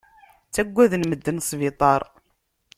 Ttagaden medden sbiṭar.